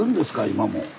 今も。